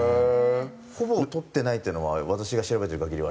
ほぼ取ってないっていうのは私が調べてる限りはないですね。